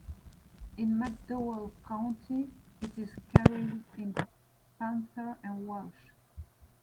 In McDowell County, it is carried in Panther and Welch.